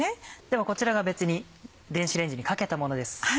ではこちらが別に電子レンジにかけたものです。